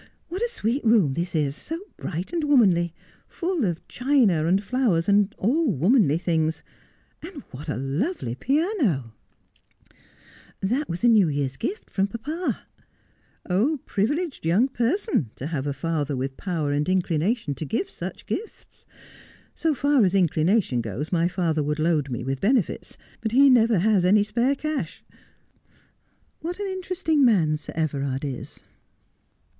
What a sweet room this is — so bright and womanly — full of china and flowers, and all womanly things ! And what a lovely piano !'' That was a New Year's gift from papa '' Privileged young person, to have a father with power and inclination to give such gifts. So far as inclination goes, my father would load me with benefits, but he never has any spare cash. What an interesting man Sir Everard is